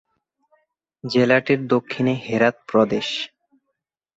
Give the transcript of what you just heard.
জেলাটির দক্ষিণে হেরাত প্রদেশ।